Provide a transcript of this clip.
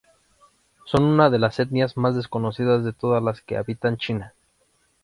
Son una de las etnias más desconocidas de todas las que habitan China.